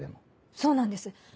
そうなんです